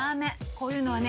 こういうのはね